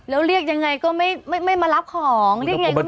แล้วเรียกยังไงก็ไม่มารับของแล้วชิดยานยังของ